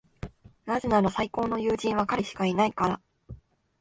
なぜなら、最高の友人は彼しかいないから。